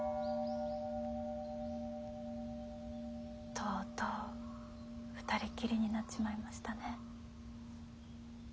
とうとう２人っきりになっちまいましたね。